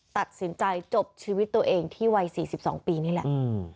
ตัดสินใจจบชีวิตตัวเองที่วัย๔๒ปีนี่แหละ